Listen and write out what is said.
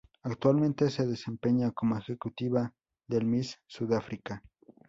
Actualmente se desempeña como ejecutiva del Miss Sudáfrica.